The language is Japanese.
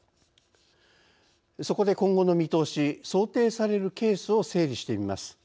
そこで、今後の見通し想定されるケースを整理してみます。